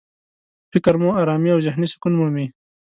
فکر مو ارامي او ذهني سکون مومي.